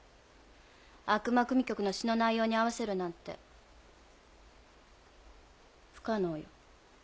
『悪魔組曲』の詩の内容に合わせるなんて不可能よ。